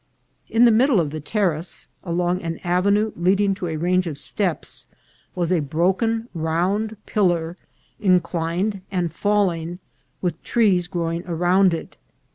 In the middle of the terrace, along an avenue leading to a range of steps, was a bro ken, round pillar, inclined and falling, with trees grow ing around it.